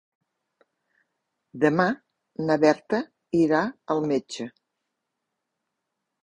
Demà na Berta irà al metge.